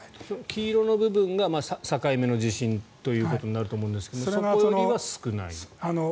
黄色の部分が境目の地震になると思うんですがそこよりは少ないと。